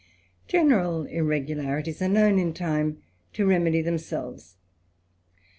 General irr^ularities are known in time to remedy them jlves.